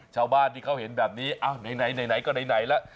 ชาวบ้านที่เขาเห็นแบบนี้ไรก็ไหนละ